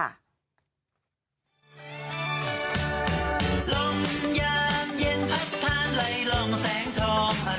ประชาชกกรรมสายโยคติดตรงใจเราหรือใคร